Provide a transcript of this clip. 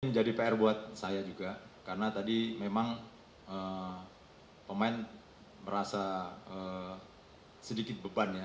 ini jadi pr buat saya juga karena tadi memang pemain merasa sedikit beban ya